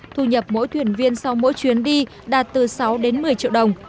thu nhập mỗi thuyền viên sau mỗi chuyến đi đạt từ sáu đến một mươi triệu đồng